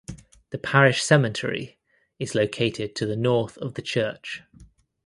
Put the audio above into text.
The parish cemetery is located to the north of the church.